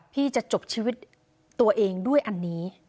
พี่จะจบชีวิตตัวเองด้วยอันนี้